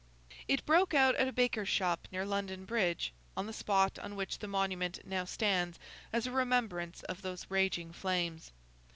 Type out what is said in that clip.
It broke out at a baker's shop near London Bridge, on the spot on which the Monument now stands as a remembrance of those raging flames.